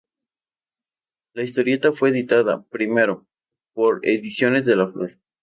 La historieta fue editada, primero, por Ediciones de la Flor.